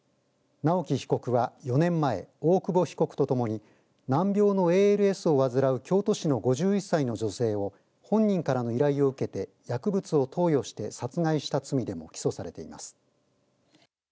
直樹被告は４年前大久保被告と共に難病のＡＬＳを患う京都市の５１歳の女性を本人からの依頼を受けて薬物を投与して殺害した罪でも起訴されています。